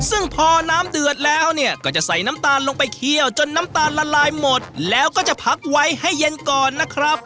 ซึ่งพอน้ำเดือดแล้วเนี่ยก็จะใส่น้ำตาลลงไปเคี่ยวจนน้ำตาลละลายหมดแล้วก็จะพักไว้ให้เย็นก่อนนะครับ